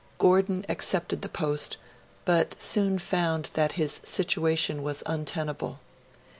Gordon accepted the post, but soon found that his situation was untenable.